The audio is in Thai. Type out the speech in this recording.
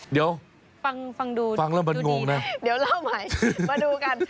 เดี๋ยวฟังดูฟังแล้วมันดูนะเดี๋ยวเล่าใหม่มาดูกัน